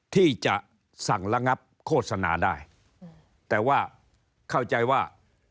ที่จะสั่งระงับโฆษณาได้แต่ว่าเข้าใจว่า